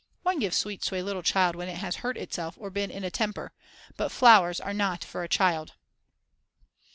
One gives sweets to a little child when it has hurt itself or been in a temper. But flowers are not for a child.